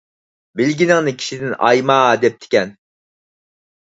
بىلگىنىڭنى كىشىدىن ئايىما دەپتىكەن.